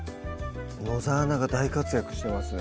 野沢菜が大活躍してますね